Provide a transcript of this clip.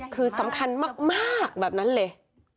คือสำคัญมากแบบนั้นเลย